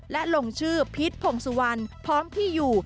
และลงชื่อพีชพงสุวรรณพร้อมที่อยู่